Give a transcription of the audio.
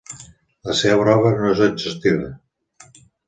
La seva obra no és exhaustiva.